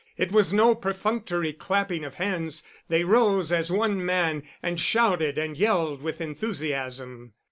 It was no perfunctory clapping of hands; they rose as one man, and shouted and yelled with enthusiasm.